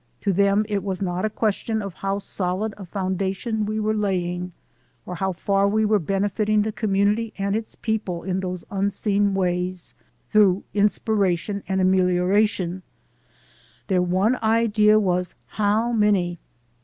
To them it was not a question of how solid a foundation we were laying, or how far we were benefiting the community and its people in those unseen ways, through in spiration and amelioration; their one idea was "How many?"